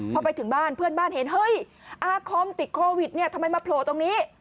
พอไปถึงบ้านเพื่อนบ้านเห็นเฮ้ยอาคมติดโควิดเนี่ยทำไมมาโผล่ตรงนี้